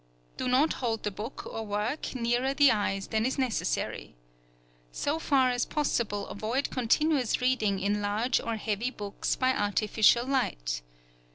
Do not hold the book or work nearer the eyes than is necessary. So far as possible avoid continuous reading in large or heavy books by artificial light.